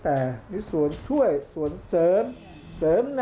ภาคอีสานแห้งแรง